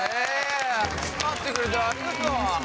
集まってくれてありがとう！